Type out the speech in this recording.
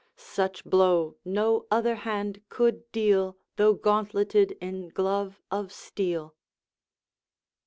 Such blow no other hand could deal, Though gauntleted in glove of steel.